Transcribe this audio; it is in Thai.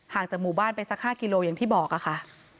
ห่างจากหมู่บ้านไปสักห้ากิโลยังที่บอกอะค่ะ